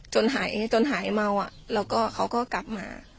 จนหายจนหายเมาอ่ะแล้วก็เขาก็กลับมา